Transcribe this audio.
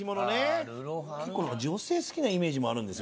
結構女性好きなイメージもあるんですよね